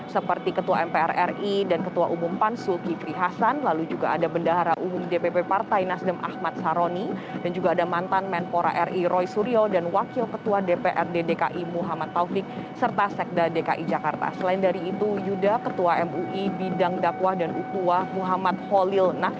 silahkan dengan laporan anda